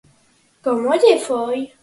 Como lle foi?